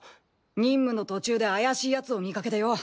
任務の途中で怪しいヤツを見かけてよ。